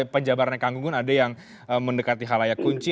penjabarannya kangkungan ada yang mendekati halayak kunci